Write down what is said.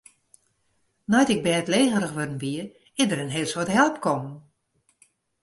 Nei't ik bêdlegerich wurden wie, is der in hiel soad help kommen.